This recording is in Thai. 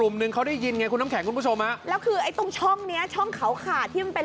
หนึ่งเขาได้ยินไงคุณน้ำแข็งคุณผู้ชมฮะแล้วคือไอ้ตรงช่องเนี้ยช่องเขาขาดที่มันเป็น